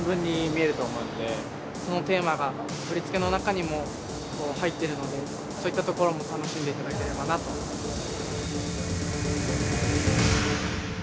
そのテーマが振り付けの中にも入ってるのでそういったところも楽しんでいただければなと思います。